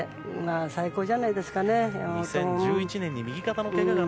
最高じゃないですかね、山本も。